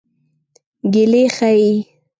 ګیلې ښيي.